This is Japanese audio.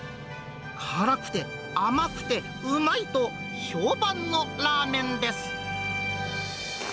辛くて甘くてうまいと評判のラーメンです。